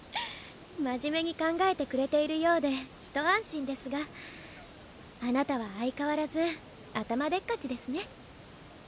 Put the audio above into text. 真面目に考えてくれているようでひと安心ですがあなたは相変わらず頭でっかちですね